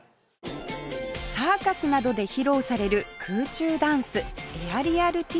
サーカスなどで披露される空中ダンスエアリアル・ティシュー